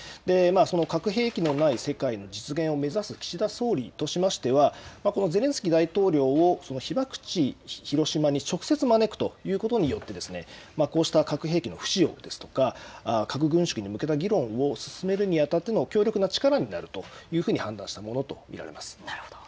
核兵器のない世界の実現を目指す岸田総理としましてもこのゼレンスキー大統領を被爆地、広島に直接招くということによってこうした核兵器の不使用ですとか核軍縮に向けた議論を進めるにあたっての協力の力になるというふうに判断したものと見られます。